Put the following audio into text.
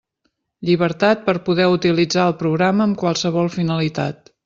Llibertat per poder utilitzar el programa amb qualsevol finalitat.